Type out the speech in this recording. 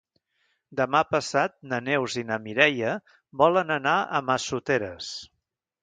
Demà passat na Neus i na Mireia volen anar a Massoteres.